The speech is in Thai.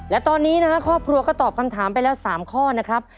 และตอนนี้นะครับครอบครัวก็ตอบคำถามไปแล้ว๓ข้อนะครับ